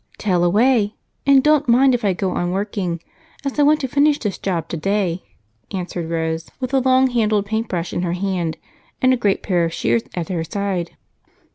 "Tell away, and don't mind if I go on working, as I want to finish this job today," answered Rose, with a long handled paintbrush in her hand and a great pair of shears at her side.